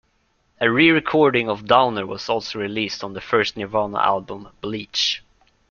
A re-recording of "Downer" was also released on the first Nirvana album, "Bleach".